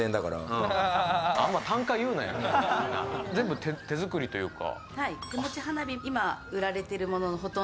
全部手作りというか？